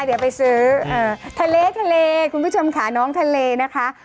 เดี๋ยวไปซื้อทะเลทะเลคุณผู้ชมค่ะน้องทะเลนะคะ